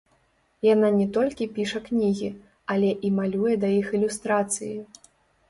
Яна не толькі піша кнігі, але і малюе да іх ілюстрацыі.